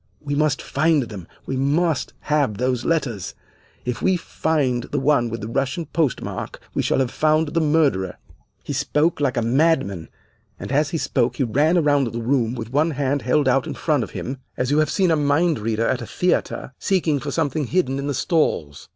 We must find them. We must have those letters. If we find the one with the Russian postmark, we shall have found the murderer.' He spoke like a madman, and as he spoke he ran around the room with one hand held out in front of him as you have seen a mind reader at a theatre seeking for something hidden in the stalls.